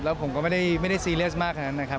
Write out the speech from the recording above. แล้วผมก็ไม่ได้ซีเรียสมากขนาดนั้นนะครับ